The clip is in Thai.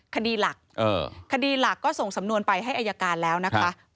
คดีหลักคดีหลักก็ส่งสำนวนไปให้อายการแล้วนะคะ